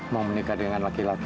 mau menikah dengan laki laki